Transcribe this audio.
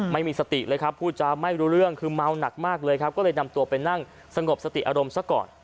ไม่มีสติเลยครับพูดจาไม่รู้เรื่องคือเมาหนักมากเลยครับก็เลยนำตัวไปนั่งสงบสติอารมณ์ซะก่อน